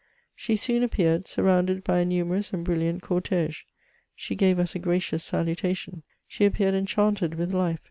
She soon appeared, surrounded by a numerous and brilliant cortege ; she gave us a gracious salutation ; she appeared enchanted with life.